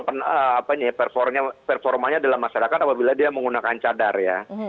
apa performanya dalam masyarakat apabila dia menggunakan cadar ya